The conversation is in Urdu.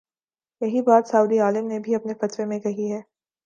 یہی بات سعودی عالم نے بھی اپنے فتوے میں کہی ہے۔